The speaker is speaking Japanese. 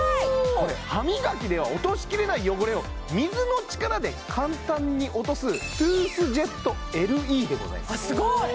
これ歯磨きでは落としきれない汚れを水の力で簡単に落とすトゥースジェットＬＥでございますすごい！